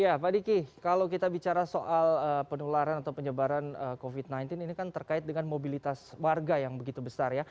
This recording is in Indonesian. ya pak diki kalau kita bicara soal penularan atau penyebaran covid sembilan belas ini kan terkait dengan mobilitas warga yang begitu besar ya